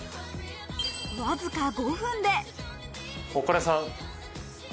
わずか５分で。